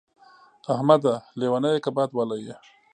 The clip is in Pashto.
احمده! لېونی يې که باد وهلی يې.